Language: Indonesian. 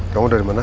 kamu dari mana